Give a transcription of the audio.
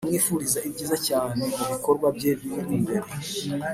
ndamwifuriza ibyiza cyane mubikorwa bye biri imbere.